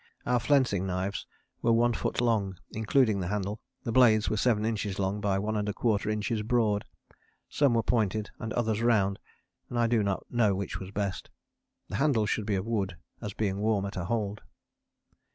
Our flensing knives were one foot long including the handle, the blades were seven inches long by 1¼ inches broad: some were pointed and others round and I do not know which was best. The handles should be of wood as being warmer to hold.